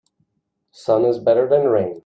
Sun is better than rain.